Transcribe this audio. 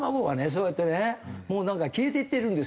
そうやってねもうなんか消えていってるんですよ。